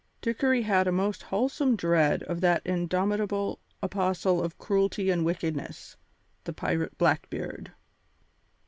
Dickory had a most wholesome dread of that indomitable apostle of cruelty and wickedness, the pirate Blackbeard.